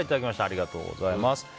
ありがとうございます。